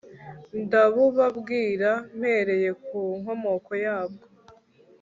ndabubabwira mpereye ku nkomoko yabwo